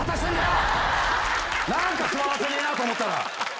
何か座らせねえなと思ったら。